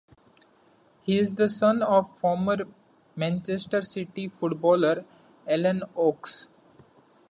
He is the son of former Manchester City footballer Alan Oakes.